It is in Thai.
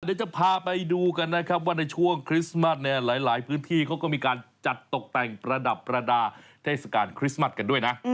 เดี๋ยวจะพาไปดูกันนะครับว่าในช่วงคริสต์มัสเนี่ยหลายพื้นที่เขาก็มีการจัดตกแต่งประดับประดาษเทศกาลคริสต์มัสกันด้วยนะ